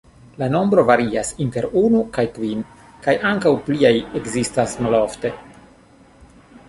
La nombro varias inter unu kaj kvin kaj ankaŭ pliaj ekzistas malofte.